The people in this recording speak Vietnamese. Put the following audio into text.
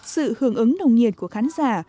sự hưởng ứng đồng nhiệt của khán giả